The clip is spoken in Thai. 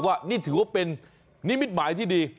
ว่านี่ถือว่าเป็นนิมิตหมายที่ดี